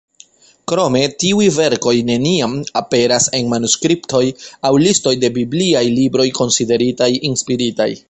Krome tiuj verkoj neniam aperas en manuskriptoj aŭ listoj de bibliaj libroj konsideritaj inspiritaj.